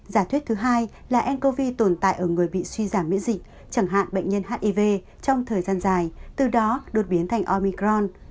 giả thuyết thứ hai là ncov tồn tại ở người bị suy giảm miễn dịch chẳng hạn bệnh nhân hiv trong thời gian dài từ đó đột biến thành omicron